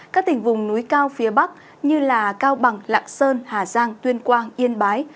các tỉnh vùng núi cao phía bắc như cao bằng lạng sơn hà giang tuyên quang yên bái